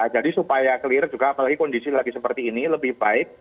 jadi supaya clear juga apalagi kondisi lagi seperti ini lebih baik